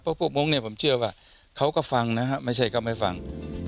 เพราะพวกโมงผมเชื่อว่าเขาก็ฟังไม่ใช่เขาไม่ฟัง